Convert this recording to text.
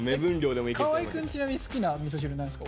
河合くんちなみに好きなみそ汁何ですか？